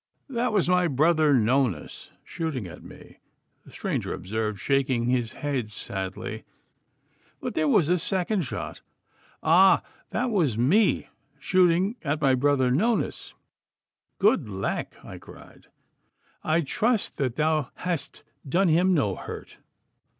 'That was my brother Nonus shooting at me,' the stranger observed, shaking his head sadly. 'But there was a second shot.' 'Ah, that was me shooting at my brother Nonus.' 'Good lack!' I cried. 'I trust that thou hast done him no hurt.